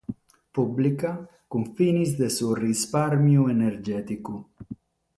Pùblica cun fines de su rispàrmiu energèticu.